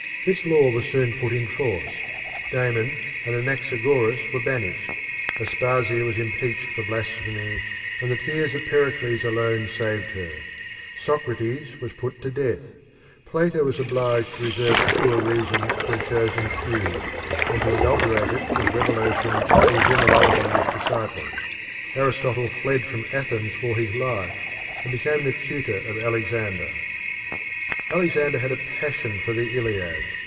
This law was soon put in force. Damon and Anaxagoras were banished; Aspasia was impeached for blasphemy, and the tears of Pericles alone saved her; Socrates was put to death; Plato was obliged to reserve pure reason for a chosen few, and to adulterate it with revelation for the generality of his disciples; Aristotle fled from Athens for his life, and became the tutor of Alexander. Alexander had a passion for the Iliad.